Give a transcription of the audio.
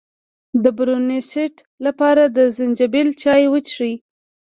د برونشیت لپاره د زنجبیل چای وڅښئ